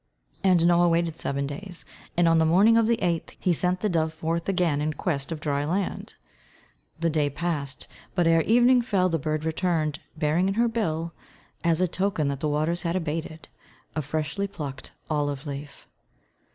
And Noah waited seven days, and on the morning of the eighth he sent the dove forth again in quest of dry land. The day passed, but ere evening fell the bird returned, bearing in her bill, as a token that the waters had abated, a freshly plucked olive leaf.